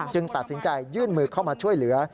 ตัดสินใจยื่นมือเข้ามาช่วยเหลือ